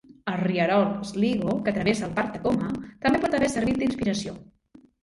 El rierol Sligo, que travessa el Parc Takoma, també pot haver servit d'inspiració.